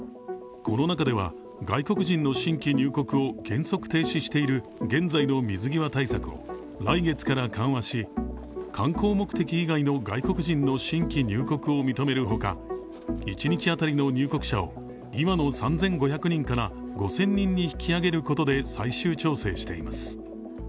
この中では外国人の新規入国を原則停止している現在の水際対策を来月から緩和し、観光目的以外の外国人の新規入国を認めるほか一日当たりの入国者を今の３５００人から５０００人に引き上げることで最終調整しています。